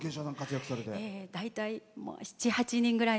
大体７８人ぐらい。